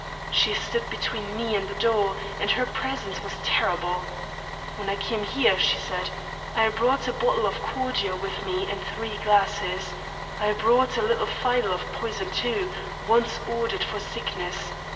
She stood between me and the door, and her presence was terrible. 'When I came here,' she said, 'I brought a bottle of cordial with me and three glasses. I brought a little phial of poison too, once ordered for sickness.